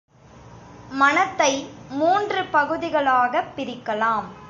மனத்தை மூன்று பகுதிகளாகப் பிரிக்கலாம்.